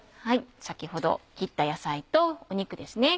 先ほど切った野菜と肉ですね。